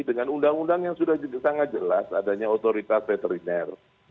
dengan undang undang yang sudah sangat jelas adanya otoritas veteriner